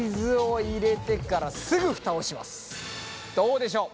僕はどうでしょう？